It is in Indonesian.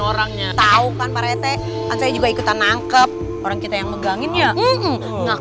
orangnya tahu kan pak rete kan saya juga ikutan nangkep orang kita yang megangin ya